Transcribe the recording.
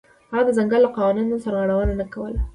هغه د ځنګل له قوانینو سرغړونه نه کوله.